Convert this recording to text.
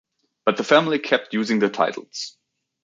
But the family kept using the titles.